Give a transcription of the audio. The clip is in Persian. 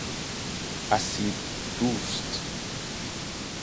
اسیددوست